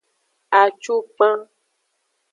Acukpan.